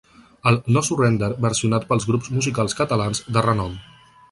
El ‘No Surrender’, versionat per grups musicals catalans de renom.